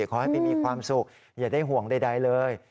ขอให้ไปมีความสุขอย่าได้ห่วงใดเลย